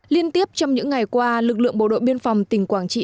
liên tiếp trong những ngày qua lực lượng bộ đội biên phòng tỉnh quảng trị